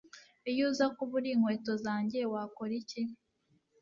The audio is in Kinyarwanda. Iyo uza kuba uri inkweto zanjye wakora iki